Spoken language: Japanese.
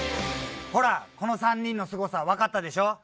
ほらこの３人のすごさわかったでしょ？